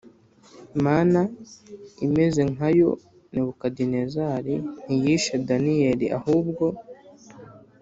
Mana imeze nka yo Nebukadinezari ntiyishe Daniyeli ahubwo